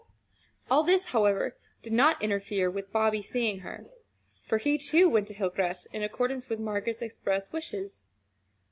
All this, however, did not interfere with Bobby's seeing her for he, too, went to Hilcrest in accordance with Margaret's express wishes.